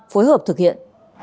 phối hợp thực hiện